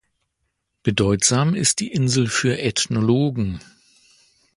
Bedeutsam ist die Insel für Ethnologen.